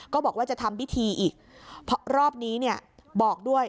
ก็บอกว่าจะทำปฏีทีอีกรอบนี้เนี่ยบอกด้วย